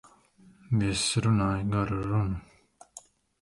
Viesis runāja garu runu.